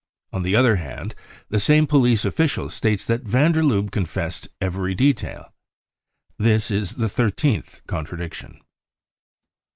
On the other hand, the same police official states that van der Lubbe confessed every detail. This is the thirteenth contradiction.